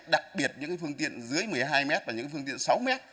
đặc biệt những phương tiện dưới một mươi hai mét và những phương tiện sáu mét